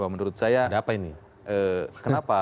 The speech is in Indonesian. menurut saya kenapa